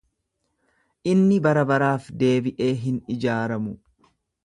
Inni barabaraaf deebiee hin ijaaramu.